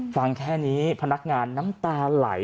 ฟังแค่นี้พนักงานน้ำตาไหล